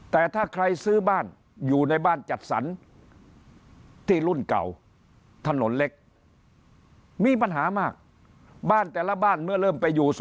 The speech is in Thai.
แต่ถ้าใครซื้อบ้านอยู่ในบ้านจัดสรรที่รุ่นเก่าถนนเล็กมีปัญหามากบ้านแต่ละบ้านเมื่อเริ่มไปอยู่